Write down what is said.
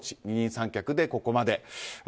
二人三脚でここまで。